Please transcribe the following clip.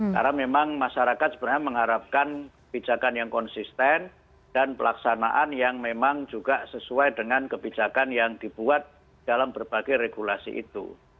karena memang masyarakat sebenarnya mengharapkan bijakan yang konsisten dan pelaksanaan yang memang juga sesuai dengan kebijakan yang dibuat dalam berbagai regulasi itu